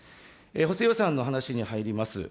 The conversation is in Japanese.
補正予算案の話に入ります。